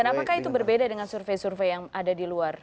dan apakah itu berbeda dengan survei survei yang ada di luar